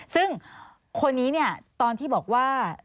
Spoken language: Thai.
ซึ่งคนนี้เนี่ยตอนที่บอกว่า